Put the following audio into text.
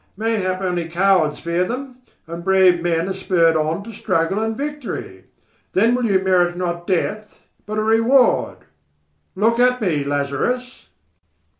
Mayhap only cowards fear them, and brave men are spurred on to struggle and victory. Then will you merit not death but a reward. Look at me, Lazarus."